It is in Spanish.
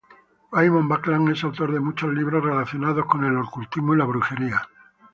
Raymond Buckland es autor de muchos libros relacionados al ocultismo y a la brujería.